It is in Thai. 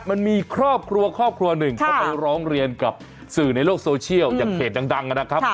มันมีครอบครัวครอบครัวหนึ่งเขาไปร้องเรียนกับสื่อในโลกโซเชียลอย่างเพจดังนะครับ